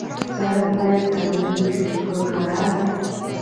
سړک باید ترمیم شي که خراب وي.